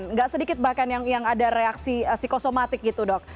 nggak sedikit bahkan yang ada reaksi psikosomatik gitu dok